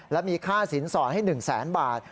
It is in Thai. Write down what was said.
และมีค่าสินสอนให้๑๐๐๐๐๐บาท